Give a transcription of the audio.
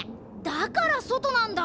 だからそとなんだ。